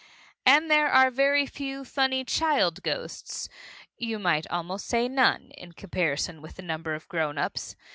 And there are very few funny child ghosts you might almost say none, in comparison with the number of grown ups.